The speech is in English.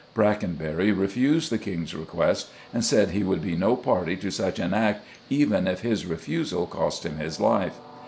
Brackenbury refused the King's request, and said he would be no party to such an act even if his refusal cost him his life.